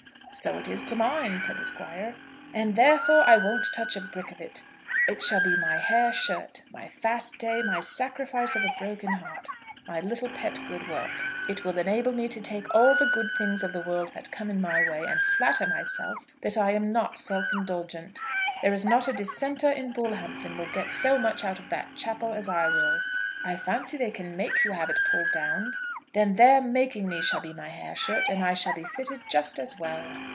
"So it is to mine," said the Squire. "And therefore I won't touch a brick of it. It shall be my hair shirt, my fast day, my sacrifice of a broken heart, my little pet good work. It will enable me to take all the good things of the world that come in my way, and flatter myself that I am not self indulgent. There is not a dissenter in Bullhampton will get so much out of the chapel as I will." "I fancy they can make you have it pulled down." "Then their making me shall be my hair shirt, and I shall be fitted just as well."